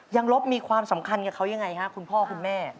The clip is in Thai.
ลบมีความสำคัญกับเขายังไงฮะคุณพ่อคุณแม่